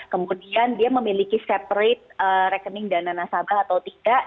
kemudian dia memiliki separate rekening dana nasabah atau tidak